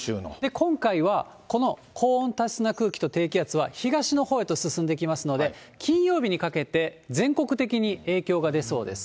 今回はこの高温多湿な空気と低気圧は東のほうへと進んできますので、金曜日にかけて、全国的に影響が出そうです。